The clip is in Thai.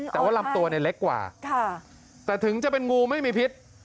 แต่ว่าลำตัวเนี่ยเล็กกว่าแต่ถึงจะเป็นงูไม่มีพิษ